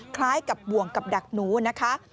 คล้ายกับบ่วงกับดักหนูนะคะ